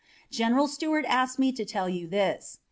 General Stuart asked me to tell you this.